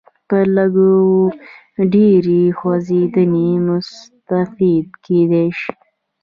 په لږ و ډېرې خوځېدنې مستفید کېدای شي.